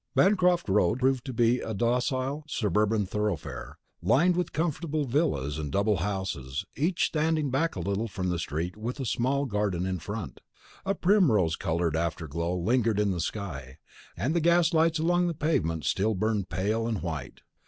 Bancroft Road proved to be a docile suburban thoroughfare, lined with comfortable villas and double houses, each standing a little back from the street with a small garden in front. A primrose coloured afterglow lingered in the sky, and the gas lights along the pavement still burned pale and white.